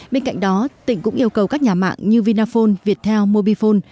bên cạnh đó tỉnh cũng yêu cầu các nhà mạng như vinaphone viettel mobifone